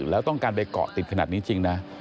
แล้วต้องการไปเกาะติดขนาดนี้จริงนะ